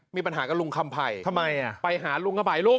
มีปัญหากับลุงคำไผ่ทำไมอ่ะไปหาลุงขภัยลูก